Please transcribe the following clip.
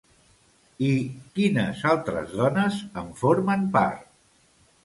I quines altres dones en formen part?